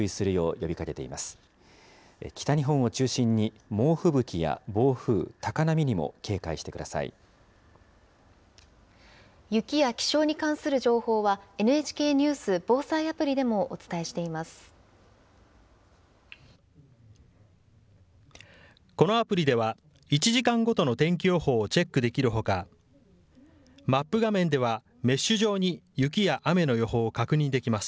このアプリでは、１時間ごとの天気予報をチェックできるほか、マップ画面では、メッシュ状に雪や雨の状況を確認できます。